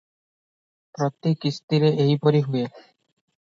ପ୍ରତି କିସ୍ତିରେ ଏହିପରି ହୁଏ ।